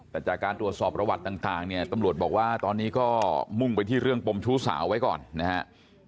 แต่จากการตรวจสอบประวัติต่างเนี่ยตำรวจบอกว่าตอนนี้ก็มุ่งไปที่เรื่องปมชู้สาวไว้ก่อนนะครับ